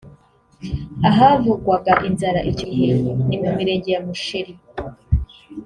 Ahavugwaga inzara icyo gihe ni mu mirenge ya Musheri